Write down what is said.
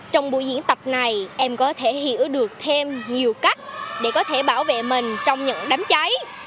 trong buổi diễn tập này em có thể hiểu được thêm nhiều cách để có thể bảo vệ mình trong những đám cháy